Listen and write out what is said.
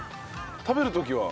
食べる時は？